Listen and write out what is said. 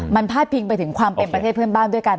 มันพาดพิงไปถึงความเป็นประเทศเพื่อนบ้านด้วยกัน